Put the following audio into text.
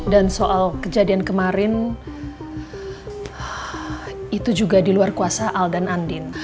dan soal kejadian kemarin itu juga di luar kuasa al dan andin